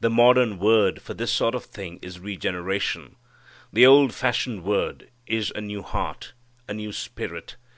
The modern word for this sort of thing is regeneration. The old fashioned word is a new heart a new spirit.